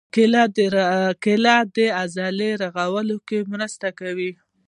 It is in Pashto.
کېله د عضلو رغولو کې مرسته کوي.